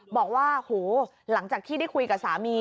บอกว่าโหหลังจากที่ได้คุยกับสามี